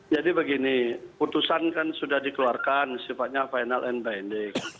jadi begini putusan kan sudah dikeluarkan sifatnya final and binding